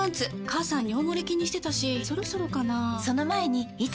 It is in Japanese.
母さん尿モレ気にしてたしそろそろかな菊池）